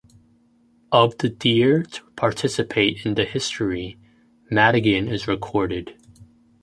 Of the Dir to participate in the history, Madigan is recorded.